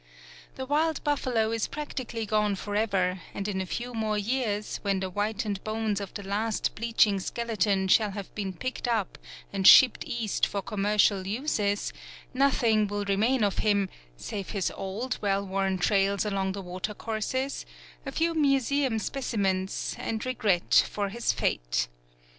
The wild buffalo is practically gone forever, and in a few more years, when the whitened bones of the last bleaching skeleton shall have been picked up and shipped East for commercial uses, nothing will remain of him save his old, well worn trails along the water courses, a few museum specimens, and regret for his fate.